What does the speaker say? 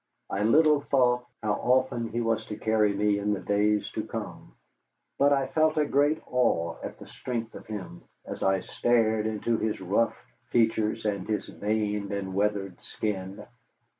I little thought how often he was to carry me in days to come, but I felt a great awe at the strength of him, as I stared into his rough features and his veined and weathered skin.